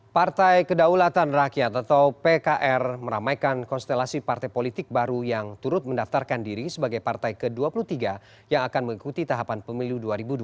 partai kedaulatan rakyat atau pkr meramaikan konstelasi partai politik baru yang turut mendaftarkan diri sebagai partai ke dua puluh tiga yang akan mengikuti tahapan pemilu dua ribu dua puluh